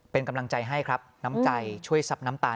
เป็นกำลังใจให้ครับน้ำใจช่วยซับน้ำตาล